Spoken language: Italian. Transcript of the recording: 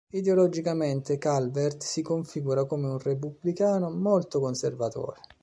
Ideologicamente Calvert si configura come un repubblicano molto conservatore.